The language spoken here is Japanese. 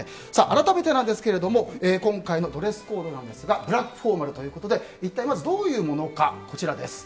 改めて今回のドレスコードですがブラックフォーマルということで一体まずどういうものか。